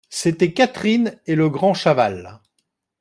C’étaient Catherine et le grand Chaval.